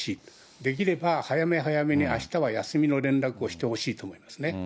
できれば、早め早めにあしたは休みの連絡をしてほしいと思いますね。